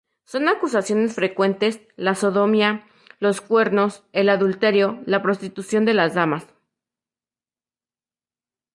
Son acusaciones frecuentes la sodomía, los cuernos, el adulterio, la prostitución de las damas.